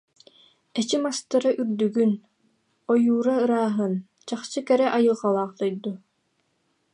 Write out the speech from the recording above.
Эчи мастара үрдүгүн, ойуура ырааһын, чахчы кэрэ айылҕалаах дойду